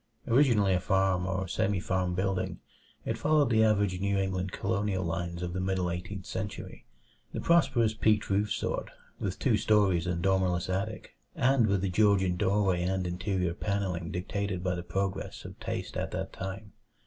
Originally a farm or semi farm building, it followed the average New England colonial lines of the middle Eighteenth Century the prosperous peaked roof sort, with two stories and dormerless attic, and with the Georgian doorway and interior panelling dictated by the progress of taste at that time.